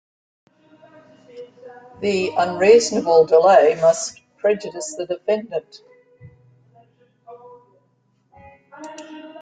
The unreasonable delay must prejudice the defendant.